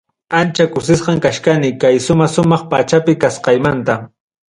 Ancha kusisqam kachkani kaysuma sumaq pachapi kasqaymanta.